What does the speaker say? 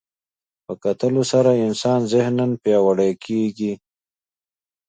په کتلو سره انسان ذهناً پیاوړی کېږي